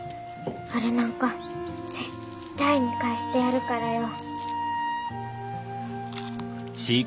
あれなんか絶対見返してやるからよ。